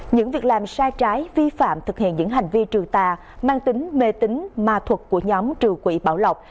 những việc làm sai trái vi phạm thực hiện những hành vi trừ tà mang tính mê tính ma thuật của nhóm trừ quỷ bảo lộc